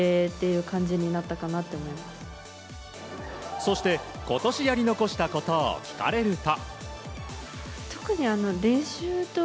そして今年やり残したことを聞かれると。